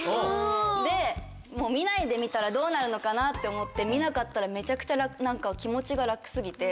で見ないでみたらどうなるのかなって思って見なかったらめちゃくちゃ気持ちが楽過ぎて。